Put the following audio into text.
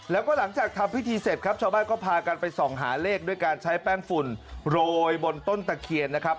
แล้วก็หลังจากทำพิธีเสร็จครับชาวบ้านก็พากันไปส่องหาเลขด้วยการใช้แป้งฝุ่นโรยบนต้นตะเคียนนะครับ